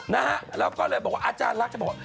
นะฮะแล้วก็เลยบอกว่าอาจารย์รักจะบอก